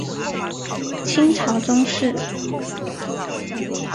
清朝宗室。